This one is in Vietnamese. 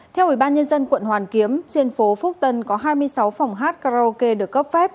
theo ủy ban nhân dân quận hoàn kiếm trên phố phúc tân có hai mươi sáu phòng hát karaoke được cấp phép